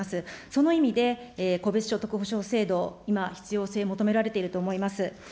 その意味で、戸別所得補償制度、今、必要性、求められていると思います。